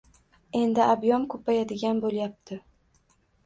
Endi ob’yom ko‘payadigan bo‘lyapti.